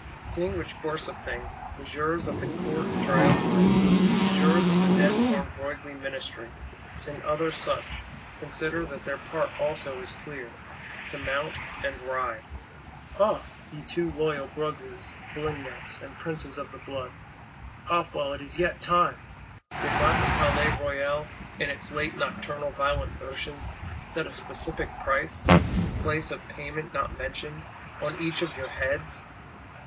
Seeing which course of things, Messeigneurs of the Court Triumvirate, Messieurs of the dead born Broglie Ministry, and others such, consider that their part also is clear: to mount and ride. Off, ye too loyal Broglies, Polignacs, and Princes of the Blood; off while it is yet time! Did not the Palais Royal in its late nocturnal "violent motions," set a specific price (place of payment not mentioned) on each of your heads?